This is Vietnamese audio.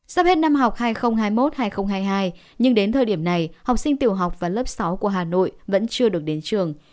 sắp hết năm học hai nghìn hai mươi một hai nghìn hai mươi hai nhưng đến thời điểm này học sinh tiểu học và lớp sáu của hà nội vẫn chưa được đến trường